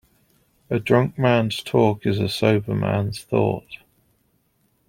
A drunk man's talk is a sober man's thought.